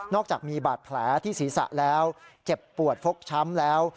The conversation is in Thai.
จากมีบาดแผลที่ศีรษะแล้วเจ็บปวดฟกช้ำแล้ว